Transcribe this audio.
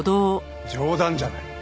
冗談じゃない。